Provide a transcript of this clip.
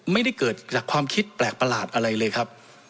ไม่ได้เกิดจากความคิดแปลกประหลาดอะไรเลยครับ